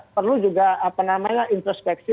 perlu juga apa namanya introspeksi